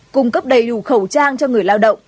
cung cấp đầy đủ khẩu trang cho người lao động